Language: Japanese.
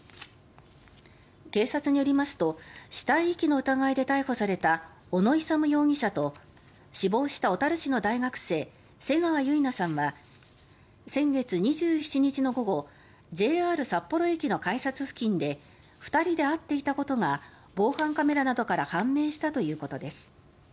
警察によりますと死体遺棄の疑いで逮捕された小野勇容疑者と死亡した小樽市の大学生瀬川結菜さんは先月２７日の午後ＪＲ札幌駅の改札付近で２人で会っていたことが防犯カメラなどから判明したということです。